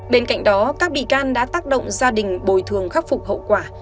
bên cạnh đó các bị can đã tác động gia đình bồi thường khắc phục hậu quả